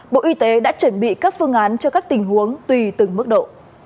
bộ y tế đã chuẩn bị các phương án cho các tình huống tùy từng mức độ